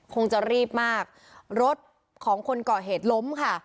คงจะรีบมากรถของคนก่อเหตุล้มค่ะ